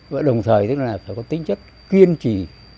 và đồng thời tức là phải có tính chất kiên trì